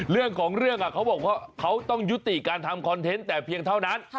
เรื่องของเรื่องเขาบอกว่าเขาต้องยุติการทำคอนเทนต์แต่เพียงเท่านั้น